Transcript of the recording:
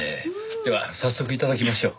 では早速頂きましょう。